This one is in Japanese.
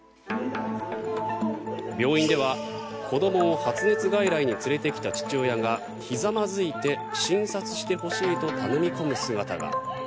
病院では子どもを発熱外来に連れてきた父親がひざまずいて診察してほしいと頼み込む姿が。